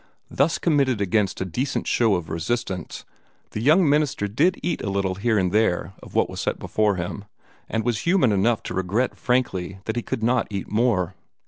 Thus committed against a decent show of resistance, the young minister did eat a little here and there of what was set before him, and was human enough to regret frankly that he could not eat more.